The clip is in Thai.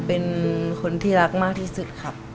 เป็นคนที่รักมากที่สุดครับ